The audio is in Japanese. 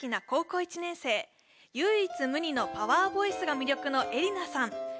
高校１年生唯一無二のパワーボイスが魅力の笑里奈さん